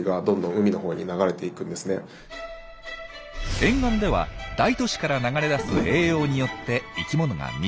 沿岸では大都市から流れ出す栄養によって生きものが密集。